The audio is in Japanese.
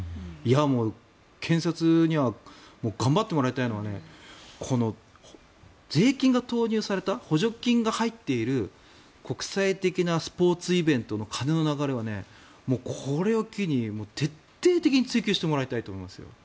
もう、検察には頑張ってもらいたいのは税金が投入された補助金が入っている国際的なスポーツイベントの金の流れはこれを機に徹底的に追及してもらいたいと思います。